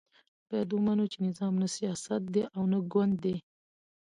باید ومنو چې نظام نه سیاست دی او نه ګوند دی.